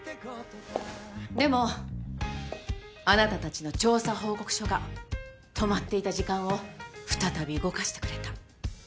でもあなたたちの調査報告書が止まっていた時間を再び動かしてくれた。